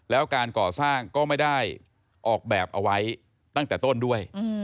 แล้วการก่อสร้างก็ไม่ได้ออกแบบเอาไว้ตั้งแต่ต้นด้วย